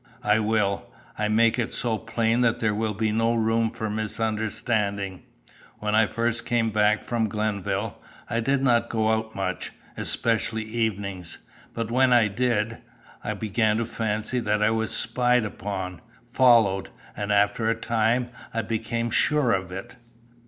"I will. I'll make it so plain that there will be no room for misunderstanding. When I first came back from Glenville, I did not go out much, especially evenings, but when I did, I began to fancy that I was spied upon, followed, and, after a time, I became sure of it."